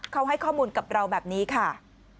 เขาให้ข้อมูลกับเราแบบนี้ค่ะ